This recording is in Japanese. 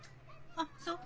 あっそう。